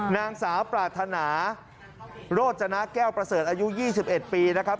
นางสาวปรารถนาโรจนะแก้วประเสริฐอายุ๒๑ปีนะครับ